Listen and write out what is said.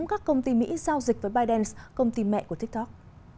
các công ty mỹ giao dịch với biden công ty mẹ của tiktok